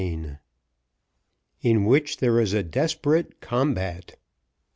Chapter IV In which there is a desperate combat.